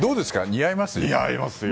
似合います？